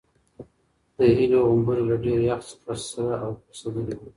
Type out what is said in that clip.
د هیلې غومبوري له ډېر یخ څخه سره او پړسېدلي وو.